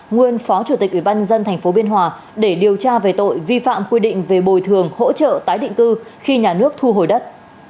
nguồn phó chủ tịch ủy ban dân tp biên hòa để điều tra về tội vi phạm quy định về bồi thường hỗ trợ tái định cư khi nhà nước thu hồi đất